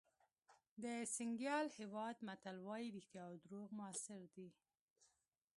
د سینیګال هېواد متل وایي رښتیا او دروغ موثر دي.